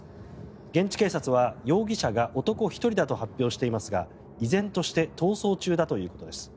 現地警察は容疑者が男１人だと発表していますが依然として逃走中だということです。